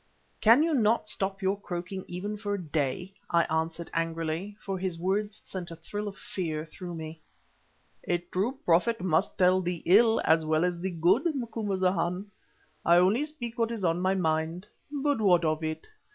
"Can you not stop your croaking even for a day?" I answered, angrily, for his words sent a thrill of fear through me. "A true prophet must tell the ill as well as the good, Macumazahn. I only speak what is on my mind. But what of it?